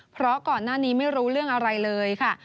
เพราะก่อนหน้านี้ไม่รู้เรื่องอะไรเลยค่ะ